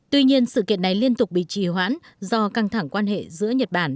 tuy nhiên sự kiện này liên tục bị trì hoãn do căng thẳng quan hệ giữa nhật bản